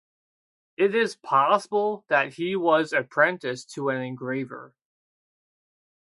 It is possible that he was apprenticed to an engraver.